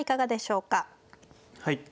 はい。